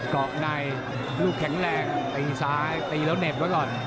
เกาะในลูกแข็งแรงตีซ้ายตีแล้วเหน็บไว้ก่อน